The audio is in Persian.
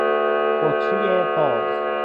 بطری باز